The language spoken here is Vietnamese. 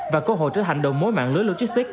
và cơ hội trở thành đầu mối mạng lưới logistics